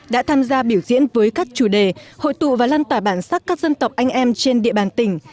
đã tham gia biểu diễn với các chủ đề hội tụ và lan tỏa bản sắc các dân tộc anh em trên địa bàn tỉnh